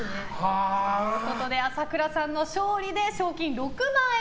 ということで朝倉さんの勝利で賞金６万円